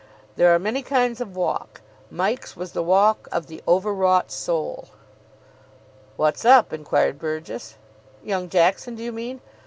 There are many kinds of walk. Mike's was the walk of the Overwrought Soul. "What's up?" inquired Burgess. "Young Jackson, do you mean?